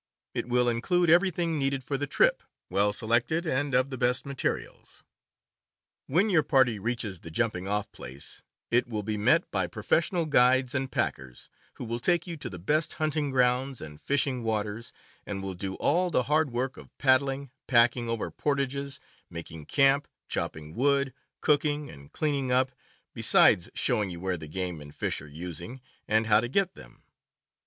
It will include everything needed for the trip, well selected and of the best materials. When your party reaches the jumping off place it will be met by pro fessional guides and packers, who will take you to the best hunting grounds and fishing waters, and will do all the hard work of paddling, packing over portages, mak ing camp, chopping wood, cooking, and cleaning up, be sides showing you where the game and fish are " using," and how to get them.